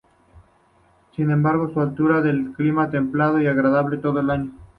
Sin embargo, su altura le da un clima templado y agradable todo el año.